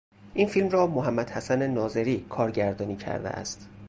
این فیلم را محمد حسن ناظری کارگردانی کرده است.